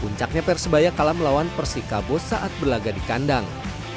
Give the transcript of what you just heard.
puncaknya persebaya kalah melawan persikabo saat berlaga di kandang